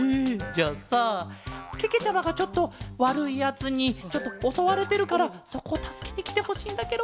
じゃあさけけちゃまがちょっとわるいやつにちょっとおそわれてるからそこをたすけにきてほしいんだケロ。